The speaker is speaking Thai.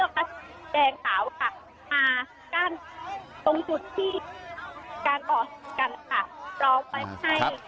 มากั้นกันตรงจุดที่การก่อกันปรับทุนไฮด์ขุม